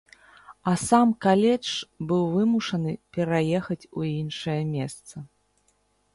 А сам каледж быў вымушаны пераехаць у іншае месца.